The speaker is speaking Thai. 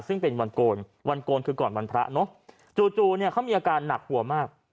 ซึ่งเป็นวันโกนวันโกนคือก่อนวันพระเนอะจู่เนี่ยเขามีอาการหนักหัวมาก